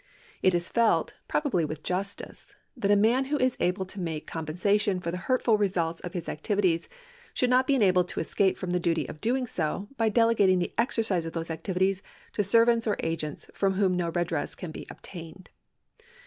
It is felt, probably with justice, that a man who is able to make compensation for the hurtful results of his activities should not be enabled to escape from the duty of doing so by delegating the exercise of these activities to servants or agents from whom no redress can be obtained.